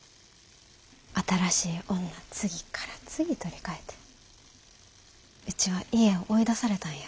新しい女次から次取り替えてうちは家を追い出されたんや。